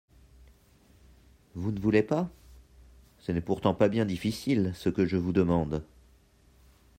Vous ne voulez pas ? Ce n'est pourtant pas bien difficile, ce que je vous demande.